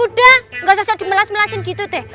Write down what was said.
udah gak cocok dimelas melasin gitu teh